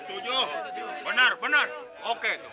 setuju benar benar oke